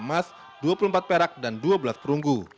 tiga puluh enam mas dua puluh empat perak dan dua belas perunggu